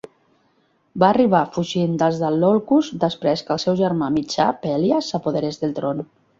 Va arribar fugint des de Iolcus després que el seu germà mitjà, Pelias, s'apoderés del tron.